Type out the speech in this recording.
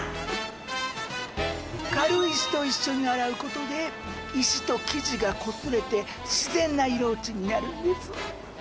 軽石と一緒に洗うことで石と生地がこすれて自然な色落ちになるんです。